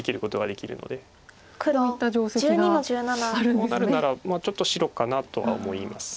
こうなるならちょっと白かなとは思います。